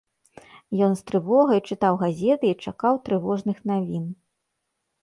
Ён з трывогаю чытаў газеты і чакаў трывожных навін.